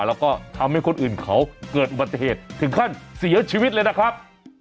แล้วก็ทำให้คนอื่นเขาเกิดอุบัติเหตุถึงขั้นเสียชีวิตเลยนะครับ